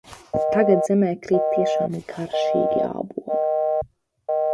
Tagad zemē krīt tiešām garšīgi āboli.